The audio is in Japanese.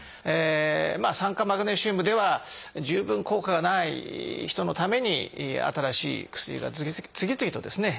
酸化マグネシウムでは十分効果がない人のために新しい薬が次々とですね